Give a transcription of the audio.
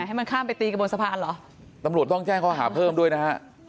ให้มันข้ามไปตีกันบนสะพานเหรอตำรวจต้องแจ้งข้อหาเพิ่มด้วยนะฮะ